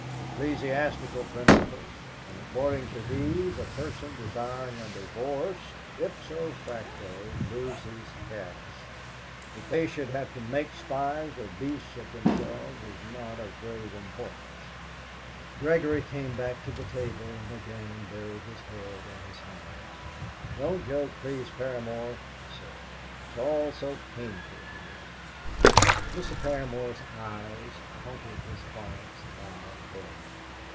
"Ecclesiastical principles, and according to these a person desiring a divorce 'ipso facto' loses caste. That they should have to make spies or beasts of themselves is not of grave importance." Gregory came back to the table, and again buried his head in his hands. "Don't joke, please, Paramor," he said; "it's all so painful to me." Mr. Paramor's eyes haunted his client's bowed head.